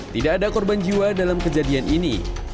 tidak ada korban jiwa dalam kejadiannya